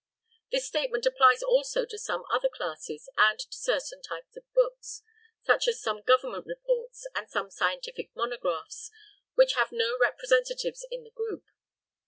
This statement applies also to some other classes, and to certain types of books, such as some government reports and some scientific monographs, which have no representatives in the group.